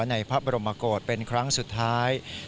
ในพระบรมกฏเป็นครั้งสุดท้าย